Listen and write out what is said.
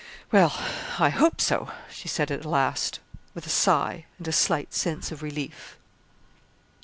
'Well, I hope so,' she said at last, with a sigh, and a slight sense of relief.